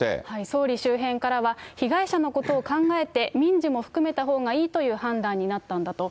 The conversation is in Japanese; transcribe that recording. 総理周辺からは、被害者のことを考えて、民事も含めたほうがいいという判断になったんだと。